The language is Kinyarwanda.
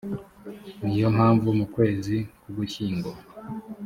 ni yo mpamvu mu kwezi k ugushyingo